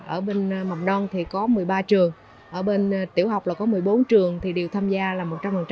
ở bên mọc đông thì có một mươi ba trường ở bên tiểu học là có một mươi bốn trường thì đều tham gia là một trăm linh